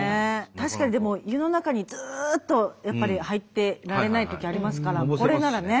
確かにでも湯の中にずっとやっぱり入ってられないときありますからこれならね。